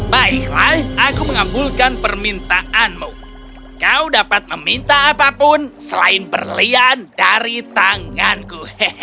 baiklah aku mengambulkan permintaanmu kau dapat meminta apapun selain berlian dari tanganku